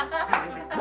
何？